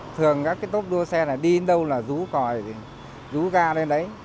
thường các tốp đua xe đi đâu là rú còi rú ga lên đấy